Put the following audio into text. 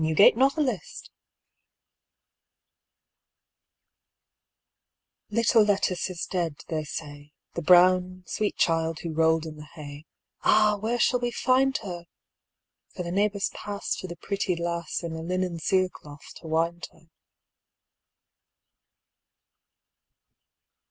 Michael Field Lettice Field M LITTLE Lettice is dead, they say, The brown, sweet child who rolled in the hay; Ah, where shall we find her? For the neighbors passTo the pretty lass, In a linen cere cloth to wind her.